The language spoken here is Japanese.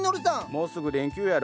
もうすぐ連休やろ。